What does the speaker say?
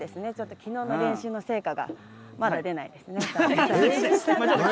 きのうの練習の成果がまだ出ないですね。